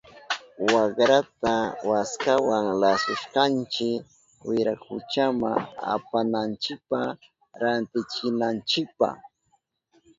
Wakrata waskawa lasushkanchi wirakuchama apananchipa rantichinanchipa.